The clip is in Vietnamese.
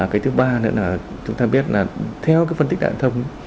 cái thứ ba nữa là chúng ta biết là theo cái phân tích đại thông